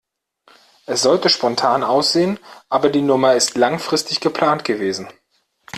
Es sollte spontan aussehen, aber die Nummer ist langfristig geplant gewesen.